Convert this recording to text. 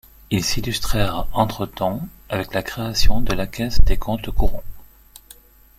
Ils s'illustrèrent entretemps avec la création de la Caisse des comptes courants.